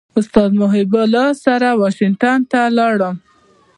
استاد محب الله سره واشنګټن ته ولاړم.